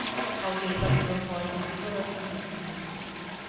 Alguém bateu a porta vigorosamente